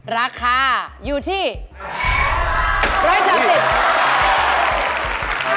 มะขาม๓ราคว่า๑๓๑